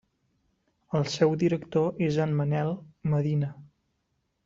El seu director és en Manel Medina.